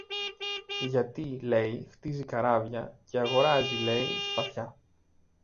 γιατί, λέει, χτίζει καράβια και αγοράζει, λέει, σπαθιά